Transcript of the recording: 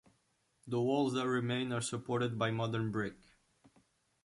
The walls that remain are supported by modern brick.